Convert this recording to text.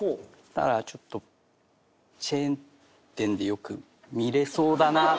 ただちょっとチェーン店でよく見れそうだなっていう。